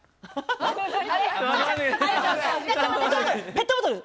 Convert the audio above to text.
ペットボトル？